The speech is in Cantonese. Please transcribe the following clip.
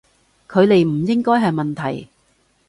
距離唔應該係問題